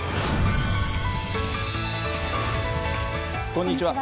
こんにちは。